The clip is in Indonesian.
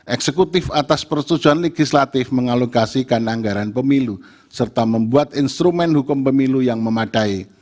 eksekutif atas persetujuan legislatif mengalokasikan anggaran pemilu serta membuat instrumen hukum pemilu yang memadai